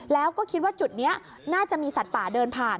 แล้วก็คิดว่าจุดนี้น่าจะมีสัตว์ป่าเดินผ่าน